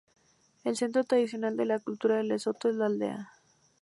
El centro tradicional de la cultura de Lesoto es la aldea.